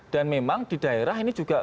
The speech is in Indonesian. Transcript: dan memang di daerah ini juga